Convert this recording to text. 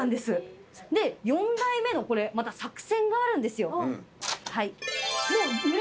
４代目の作戦があるんですよ。